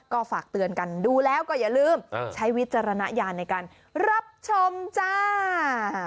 ก็ฝากเตือนกันดูแล้วก็อย่าลืมใช้วิจารณญาณในการรับชมจ้า